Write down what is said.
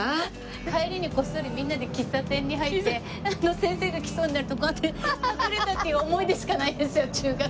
帰りにこっそりみんなで喫茶店に入って先生が来そうになるとこうやって隠れたっていう思い出しかないですよ中学。